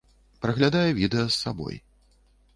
Праглядае відэа з сабой.